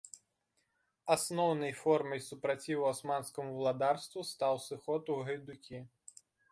Асноўнай формай супраціву асманскаму валадарству стаў сыход у гайдукі.